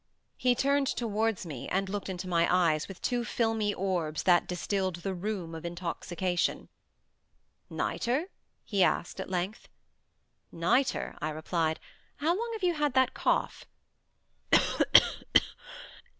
He turned towards me, and looked into my eyes with two filmy orbs that distilled the rheum of intoxication. "Nitre?" he asked, at length. "Nitre," I replied. "How long have you had that cough?"